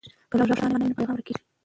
که غږ روښانه وي نو پیغام نه ورکیږي.